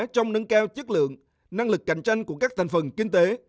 trong nâng cao chất lượng năng lực cạnh tranh của các thành phần kinh tế